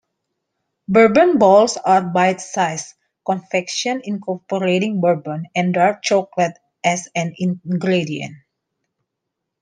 Bourbon balls are bite-sized confections incorporating bourbon, and dark chocolate as an ingredient.